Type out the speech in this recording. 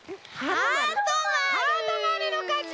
ハートまるのかち！